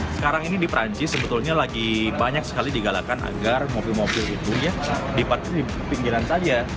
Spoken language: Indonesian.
sekarang ini di perancis sebetulnya lagi banyak sekali digalakan agar mobil mobil itu ya diparkir di pinggiran saja